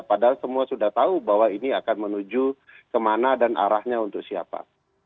padahal semua sudah tahu bahwa ini akan menuju kemana dan arahnya untuk siapa